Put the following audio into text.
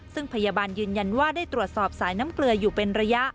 ซึ่งพยาบาลยืนยันว่าได้ตรวจสอบสายน้ำเกลืออยู่เป็นระยะ